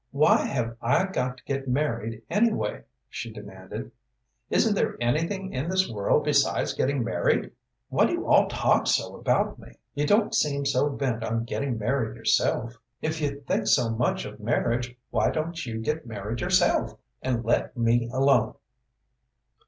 "Why have I got to get married, anyway?" she demanded. "Isn't there anything in this world besides getting married? Why do you all talk so about me? You don't seem so bent on getting married yourself. If you think so much of marriage, why don't you get married yourself, and let me alone?"